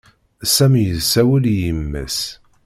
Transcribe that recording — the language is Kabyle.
Sami issawel i yemma-s.